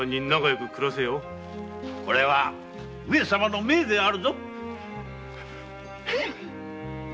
これは上様の命であるぞ。